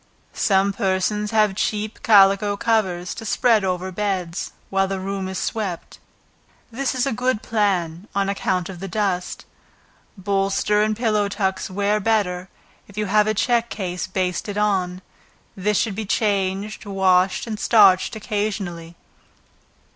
Some persons have cheap calico covers, to spread over beds, while the room is swept, this is a good plan, on account of the dust. Bolster and pillow tucks wear better, if you have a check case basted on, this should be changed, washed and starched occasionally.